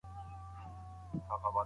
په سرو اوښکو یې د چرګ خواته کتله